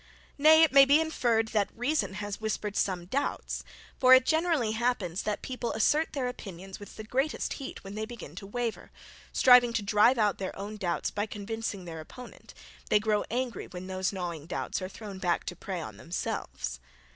Nay, it may be inferred, that reason has whispered some doubts, for it generally happens that people assert their opinions with the greatest heat when they begin to waver; striving to drive out their own doubts by convincing their opponent, they grow angry when those gnawing doubts are thrown back to prey on themselves.